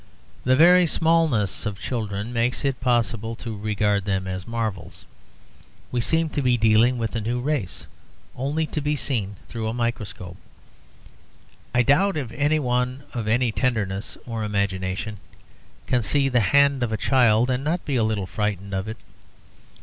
The very smallness of children makes it possible to regard them as marvels; we seem to be dealing with a new race, only to be seen through a microscope. I doubt if anyone of any tenderness or imagination can see the hand of a child and not be a little frightened of it.